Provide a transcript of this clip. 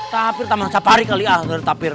tapir tamang sapari kali ya suri tapir